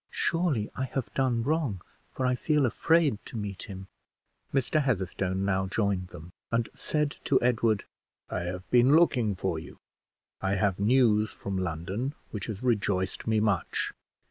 "Surely I have done wrong, for I feel afraid to meet him." Mr. Heatherstone now joined them, and said to Edward "I have been looking for you: I have news from London which has rejoiced me much.